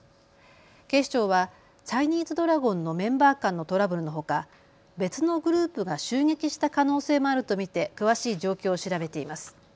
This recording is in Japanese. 警視庁はチャイニーズドラゴンのメンバー間のトラブルのほか別のグループが襲撃した可能性もあると見て詳しい状況を調べています。